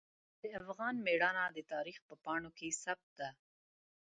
د افغان میړانه د تاریخ په پاڼو کې ثبت ده.